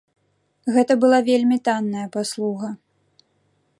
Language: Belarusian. Гэта была вельмі танная паслуга.